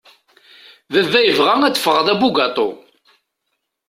Baba yebɣa ad d-fɣeɣ d abugatu.